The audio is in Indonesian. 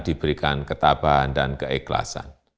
diberikan ketabahan dan keikhlasan